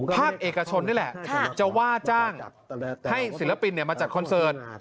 ภาคเอกชนนี่แหละจะว่าจ้างให้ศิลปินมาจัดคอนเสิร์ต